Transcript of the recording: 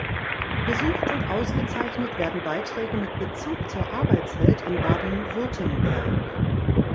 Gesucht und ausgezeichnet werden Beiträge mit Bezug zur Arbeitswelt in Baden-Württemberg.